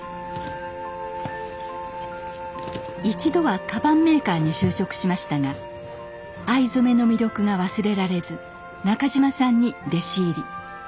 一度はカバンメーカーに就職しましたが藍染めの魅力が忘れられず中島さんに弟子入り。